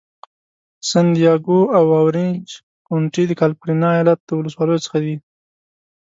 سن دیاګو او اورینج کونټي د کالفرنیا ایالت له ولسوالیو څخه دي.